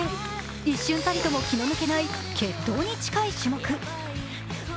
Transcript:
一瞬たりとも気の抜けない決闘に近い種目。